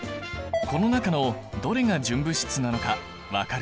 この中のどれが純物質なのか分かるかな？